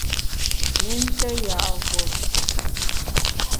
Mümnshe ya’ vot.